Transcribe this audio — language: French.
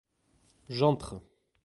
J'entre.